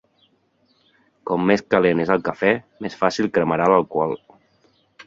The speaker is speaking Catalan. Com més calent és el cafè, més fàcil cremarà l'alcohol.